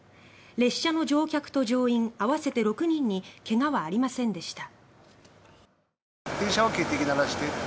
列車の乗客と乗員合わせて６人に怪我はありませんでした。